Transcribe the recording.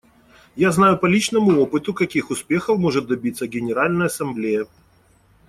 Я знаю по личному опыту, каких успехов может добиться Генеральная Ассамблея.